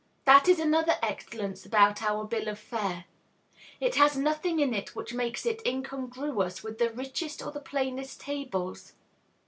That is another excellence about our bill of fare. It has nothing in it which makes it incongruous with the richest or the plainest tables.